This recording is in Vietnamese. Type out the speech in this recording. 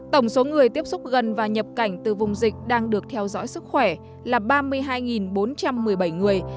tổng số người tiếp xúc gần và nhập cảnh từ vùng dịch đang được theo dõi sức khỏe là ba mươi hai bốn trăm một mươi bảy người